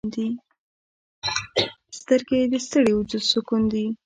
سترګې د ستړي وجود سکون دي